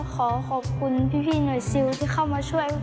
ขอขอบคุณพี่หน่วยซิลที่เข้ามาช่วย